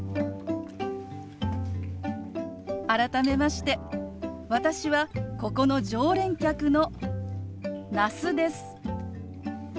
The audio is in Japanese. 改めまして私はここの常連客の那須です。